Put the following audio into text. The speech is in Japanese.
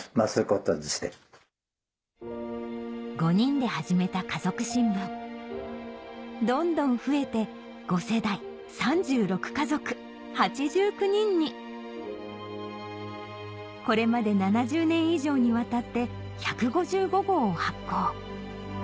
５人で始めた「家族新聞」どんどん増えて５世代３６家族８９人にこれまで７０年以上にわたって１５５号を発行